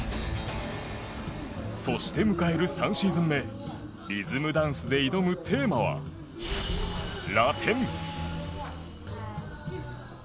そして迎える３シーズン目リズムダンスで挑むテーマはラテン。